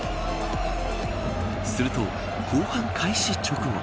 すると、後半開始直後。